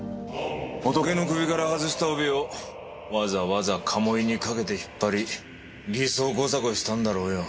ホトケの首から外した帯をわざわざ鴨居に掛けて引っ張り偽装工作をしたんだろうよ。